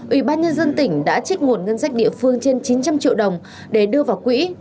ủy ban nhân dân tỉnh đã trích nguồn ngân sách địa phương trên chín trăm linh triệu đồng để đưa vào quỹ